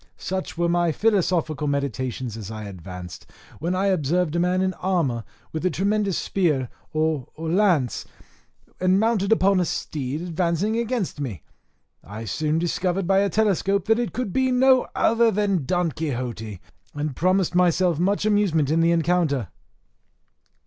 Such were my philosophical meditations as I advanced, when I observed a man in armour with a tremendous spear or lance, and mounted upon a steed, advancing against me. I soon discovered by a telescope that it could be no other than Don Quixote, and promised myself much amusement in the rencounter.